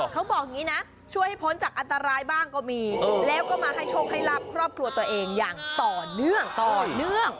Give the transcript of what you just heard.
เขาบอกอย่างนี้นะช่วยให้พ้นจากอันตรายบ้างก็มีแล้วก็มาให้โชคให้ลาบครอบครัวตัวเองอย่างต่อเนื่องต่อเนื่อง